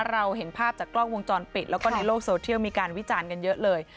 เราเห็นภาพจากกล้องวงจรปิดแล้วก็ในโลกโซเทียลมีการวิจารณ์กันเยอะเลย